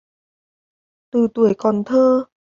Từ tuổi còn thơ